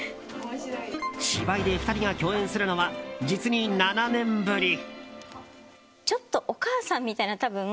芝居で２人が共演するのは実に７年ぶり。